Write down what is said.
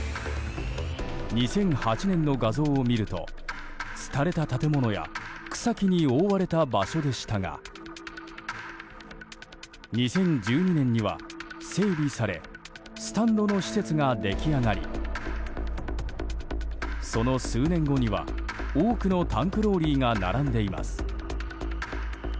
２００８年の画像を見るとすたれた建物や草木に覆われた場所でしたが２０１２年には整備されスタンドの施設が出来上がりその数年後には多くのタンクローリーが並んでいます。